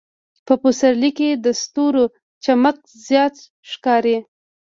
په پسرلي کې د ستورو چمک زیات ښکاري.